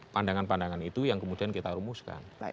pandangan pandangan itu yang kemudian kita rumuskan